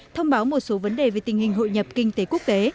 thông báo một số vấn đề về tình hình hội nhập kinh tế quốc tế